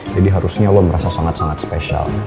jadi harusnya lo merasa sangat sangat spesial